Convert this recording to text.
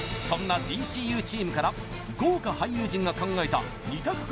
そんなＤＣＵチームから豪華俳優陣が考えた２択